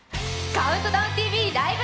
「ＣＤＴＶライブ！